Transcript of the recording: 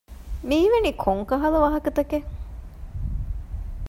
މި އިވެނީ ކޮން ކަހަލަ ވާހަކަތަކެއް؟